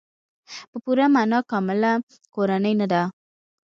په پوره معنا کامله کورنۍ نه ده.